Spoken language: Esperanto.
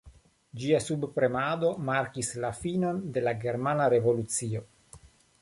Ĝia subpremado markis la finon de la Germana Revolucio.